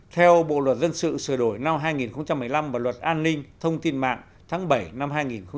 theo bộ luật dân sự sửa đổi năm hai nghìn một mươi bốn